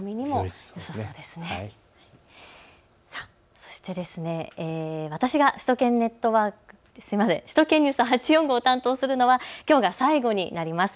そして私が首都圏ニュース８４５を担当するのはきょうが最後になります。